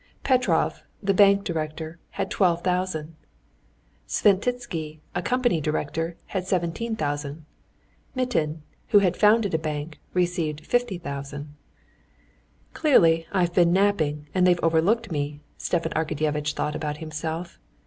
Petrov, the bank director, had twelve thousand; Sventitsky, a company director, had seventeen thousand; Mitin, who had founded a bank, received fifty thousand. "Clearly I've been napping, and they've overlooked me," Stepan Arkadyevitch thought about himself.